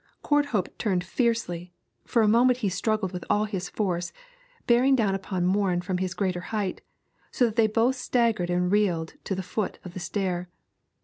Courthope turned fiercely; for a moment he struggled with all his force, bearing down upon Morin from his greater height, so that they both staggered and reeled to the foot of the stair.